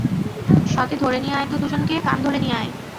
-সতে, ধরে নিয়ে আয় তো দুজনকে, কান ধরে নিয়ে আয়!